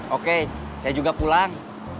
oke saya juga pulang